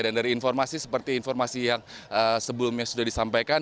dan dari informasi seperti informasi yang sebelumnya sudah disampaikan